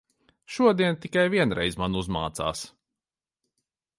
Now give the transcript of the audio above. Šodien tikai vienreiz man uzmācās.